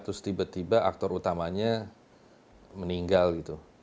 terus tiba tiba aktor utamanya meninggal gitu